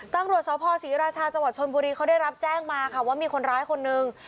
ตังรวชชทศพศิราชาจมชนท์บุรีเขาได้รับแจ้งมาค่ะว่ามีคนร้ายคนนึง